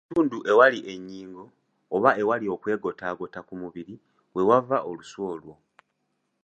Buli kitundu awali ennyingo, oba awali okwegotaagota ku mubiri, weewava olusu olwo.